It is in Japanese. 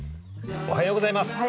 おはようございます。